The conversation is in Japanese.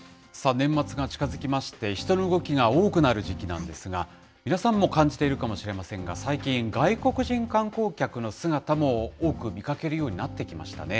年末が近づきまして、人の動きが多くなる時期なんですが、皆さんも感じているかもしれませんが、最近、外国人観光客の姿も多く見かけるようになってきましたね。